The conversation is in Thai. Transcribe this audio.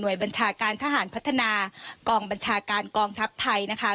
โดยบัญชาการทหารพัฒนากองบัญชาการกองทัพไทยนะคะ